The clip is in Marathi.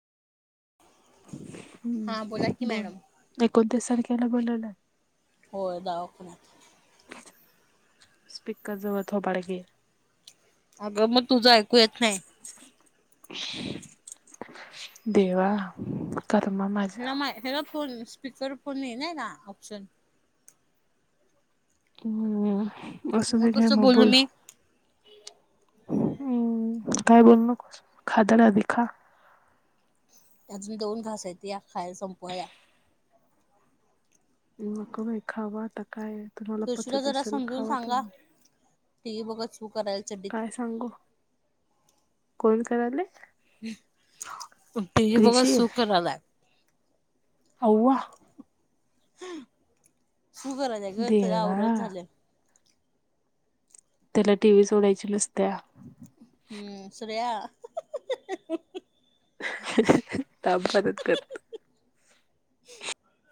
हां बोला हम्म की मॅडम बोल एकोणतीस तारखेला बोवलं. होय दावावक स्पीकर जव हो बाड के अगं मग तुझं ऐकू येत नाही. देवा करर् मम हला मा हला फोन स्पीकर फोन येलय ना ऑप्शन हम्म अससध मग घय कसं म बोलू बोल मी हम्म काय बोल नकोस खादडध खा. अजून दोन घास येत या खायला संपवाया. नको बा खावा आता काय तुम्हाला तुळशीला पचत असेल खावा तुम्ही ठी बघ शू करायच. काय सांगू कोण कराले. तेही बघा कृषी सु क आलाय. होवा सु करा ग त्या देवा आवरण झालं. त्याला टीव्ही सोडायची नसत्या. हम्म सु्रया त मदत करतो.